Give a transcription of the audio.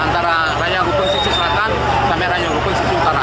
antara raya gubeng sisi selatan dan raya gubeng sisi utara